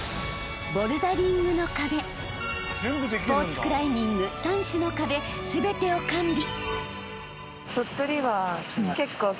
［スポーツクライミング３種の壁全てを完備］